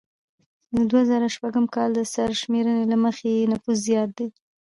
د دوه زره شپږم کال د سرشمیرنې له مخې یې نفوس زیات دی